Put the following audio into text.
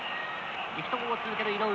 力投を続ける井上。